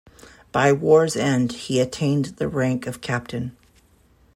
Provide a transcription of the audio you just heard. By war's end, he attained the rank of captain.